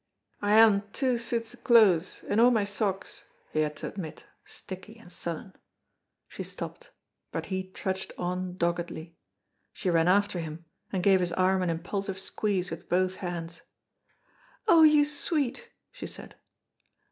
"I have on twa suits o' clothes, and a' my sarks," he had to admit, sticky and sullen. She stopped, but he trudged on doggedly. She ran after him and gave his arm an impulsive squeeze with both hands, "Oh, you sweet!" she said.